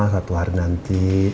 satu hari nanti